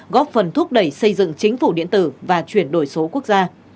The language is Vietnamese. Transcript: góp phần thúc đẩy xây dựng chính phủ điện tử và chuyển đổi số quốc gia